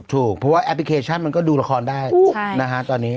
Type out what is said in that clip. ถูกเพราะว่าแอปพลิเคชันมันก็ดูละครได้นะฮะตอนนี้